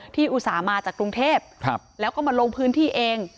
อุตส่าห์มาจากกรุงเทพแล้วก็มาลงพื้นที่เอง